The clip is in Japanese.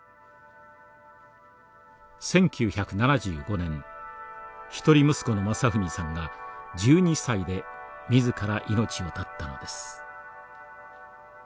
１９７５年一人息子の真史さんが１２歳で自ら命を絶ったのです。